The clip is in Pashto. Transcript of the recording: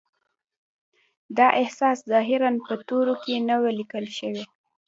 دا احساس ظاهراً په تورو کې نه و لیکل شوی